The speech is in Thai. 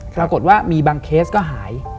ปรากฏว่ามีบางเคสก็หาย